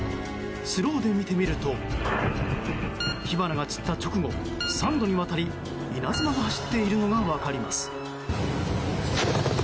スローで見てみると火花が散った直後３度にわたり、稲妻が走っているのが分かります。